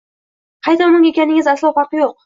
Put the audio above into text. Qay tomonga ekanining aslo farqi yo’q.